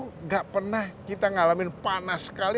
tidak pernah kita ngalamin panas sekali